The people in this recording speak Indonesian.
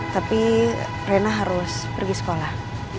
tapi rena harus pergi sekolah